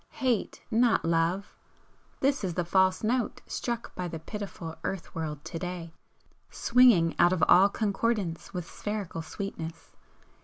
Hate, not Love! this is the false note struck by the pitiful Earth world to day, swinging out of all concordance with spherical sweetness!